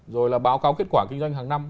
rồi là báo cáo kết quả kinh doanh hàng năm